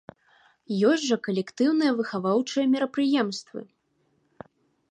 Ёсць жа калектыўныя выхаваўчыя мерапрыемствы.